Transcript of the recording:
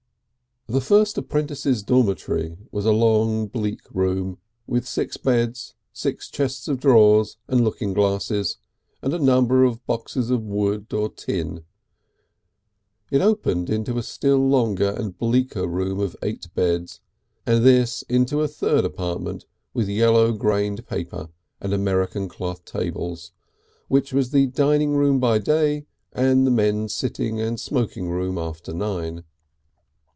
The first apprentices' dormitory was a long bleak room with six beds, six chests of drawers and looking glasses and a number of boxes of wood or tin; it opened into a still longer and bleaker room of eight beds, and this into a third apartment with yellow grained paper and American cloth tables, which was the dining room by day and the men's sitting and smoking room after nine.